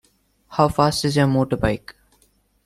How fast is your motorbike?